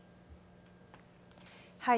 はい。